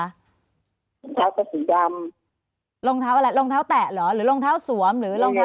รองเท้าก็สีดำรองเท้าอะไรรองเท้าแตะเหรอหรือรองเท้าสวมหรือรองเท้า